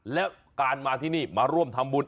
แล้วการมาที่นี่มาร่วมทำบุญ